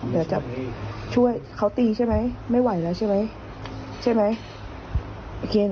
เดี๋ยวจะช่วยเขาตีใช่ไหมไม่ไหวแล้วใช่ไหมใช่ไหม